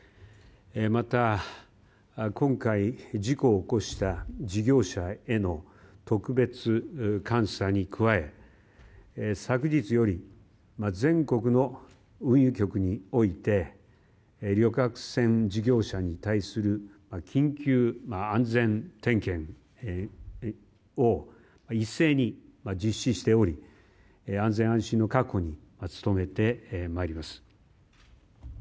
また今回、事故を起こした事業者への特別監査に加え昨日より全国の運輸局において旅客船事業者に対する緊急安全点検を一斉に実施しており安全・安心の確保に努めております。